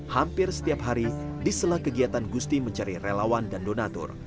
hampir setiap hari di sela kegiatan gusti mencari relawan dan donatur